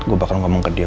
gue bakal ngomong ke dia